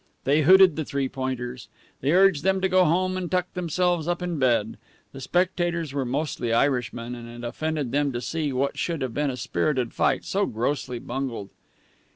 They hooted the Three Pointers. They urged them to go home and tuck themselves up in bed. The spectators were mostly Irishmen, and it offended them to see what should have been a spirited fight so grossly bungled.